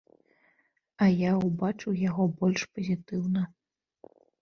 А я ўбачыў яго больш пазітыўна.